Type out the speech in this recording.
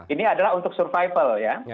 ini adalah untuk survival ya